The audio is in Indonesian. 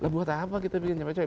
buat apa kita bikin capek capek